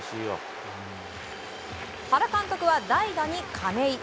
原監督は代打に亀井。